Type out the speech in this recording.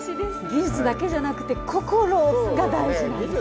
技術だけじゃなくて心が大事なんですね。